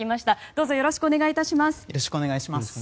どうぞよろしくお願い致します。